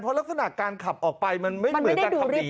เพราะลักษณะการขับออกไปมันไม่เหมือนการขับหนี